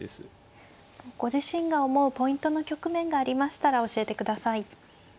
ご自身が思うポイントの局面がありましたら教えてください。